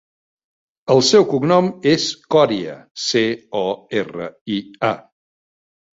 El seu cognom és Coria: ce, o, erra, i, a.